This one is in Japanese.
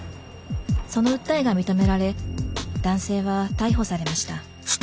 その訴えが認められ男性は逮捕されました。